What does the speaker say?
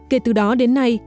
kể từ đó đến nay